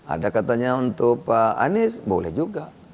ada katanya untuk pak anies boleh juga